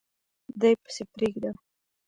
دی پسي پریږده